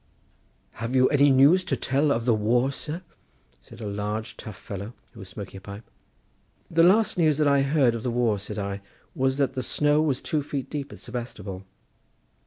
"Have you any news to tell of the war, sir?" said a large rough fellow, who was smoking a pipe. "The last news that I heard of the war," said I, "was that the snow was two feet deep at Sebastopol."